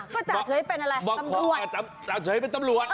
ก็จ่าเฉยเป็นอะไรบอกตำรวจจ่าเฉยเป็นตำรวจ